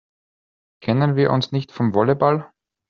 Kennen wir uns nicht vom Volleyball?